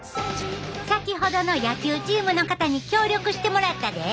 先ほどの野球チームの方に協力してもらったで！